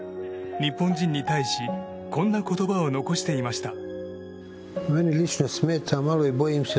日本人に対しこんな言葉を残していました。